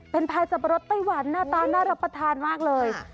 เป็นพายสับปะรดไต้หวันหน้าตาน่ารับประทานมากเลย